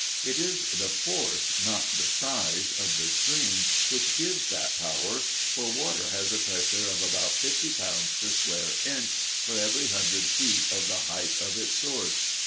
It is the force, not the size, of the stream which gives that power, for water has a pressure of about fifty pounds per square inch for every hundred feet of the height of its source.